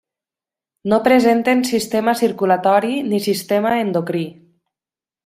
No presenten sistema circulatori ni sistema endocrí.